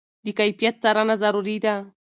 د کیفیت څارنه ضروري ده.